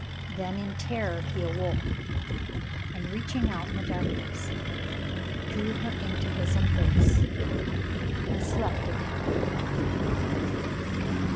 Then in terror he aw^oke, and, reaching out in the darkness, drew her into his embrace and slept again.